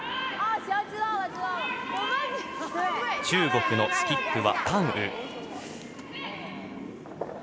中国のスキップは韓雨。